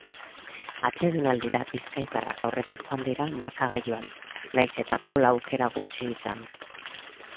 Atsedenaldira bizkaitarrak aurretik joan dira markagailuan, nahiz eta gol aukera gutxi izan.